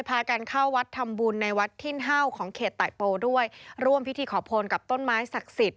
พากันเข้าวัดทำบุญในวัดทิ่นเ่าของเขตไตโปด้วยร่วมพิธีขอพลกับต้นไม้ศักดิ์สิทธิ